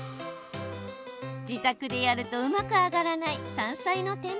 自宅でやるとうまく揚がらない山菜の天ぷら。